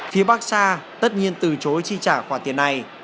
phía barca tất nhiên từ chối chi trả khoản tiền này